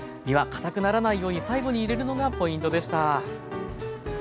身はかたくならないように最後に入れるのがポイントでした。